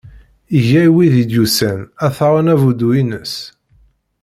Iga i wid i d-yusan ad t-aɣen abuddu-ines.